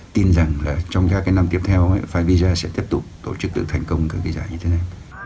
tin rằng là trong các cái năm tiếp theo favija sẽ tiếp tục tổ chức được thành công các cái giải như thế này